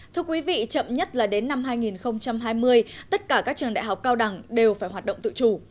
thưa quý vị chậm nhất là đến năm hai nghìn hai mươi tất cả các trường đại học cao đẳng đều phải hoạt động tự chủ